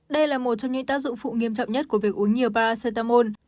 đây là một trong những tác dụng phụ nghiêm trọng nhất của việc uống nhiều pamol